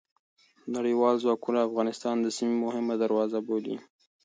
نړیوال ځواکونه افغانستان د سیمې مهمه دروازه بولي.